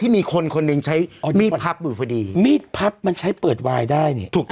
มีดพับมันใช้เปิดวายได้เนี่ย